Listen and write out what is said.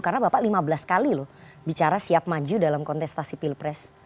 karena bapak lima belas kali loh bicara siap maju dalam kontestasi pilpres